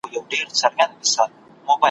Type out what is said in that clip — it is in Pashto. چي پاچا ناست یې په تخت ،قصرِبرین کي